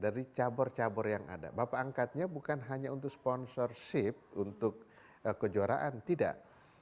dari cabur cabur yang ada bapak angkatnya bukan hanya untuk sponsorship untuk kejuaraan tidak